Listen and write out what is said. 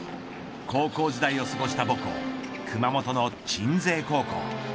高校時代を過ごした母校熊本の鎮西高校。